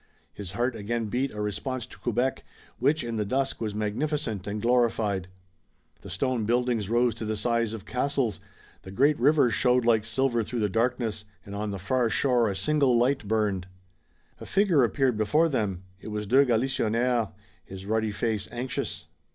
His heart again beat a response to Quebec which in the dusk was magnificent and glorified. The stone buildings rose to the size of castles, the great river showed like silver through the darkness and on the far shore a single light burned. A figure appeared before them. It was de Galisonnière, his ruddy face anxious.